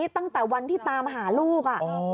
ตั้งแต่วันที่ตามหาลูก